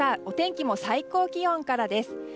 お天気も最高気温からです。